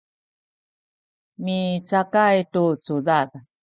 micakay tu cudad